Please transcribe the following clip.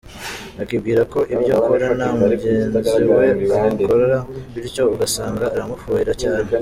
Akibwira ko ibyo akora na mugenzi we abikora, bityo ugasanga aramufuhira cyane.